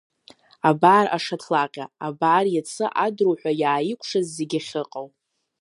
Абар ашаҭлаҟьа, абар иацы адруҳәа иааикәшаз зегьы ахьыҟоу.